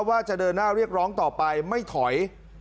ว่าจะเดินหน้าเรียกร้องต่อไปไม่ถอย